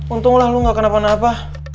untunglah lo gak kena apa apa